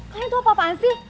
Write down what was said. kalian tuh apa apaan sih